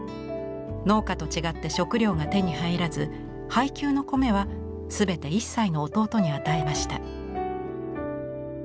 農家と違って食糧が手に入らず配給の米は全て１歳の弟に与えました。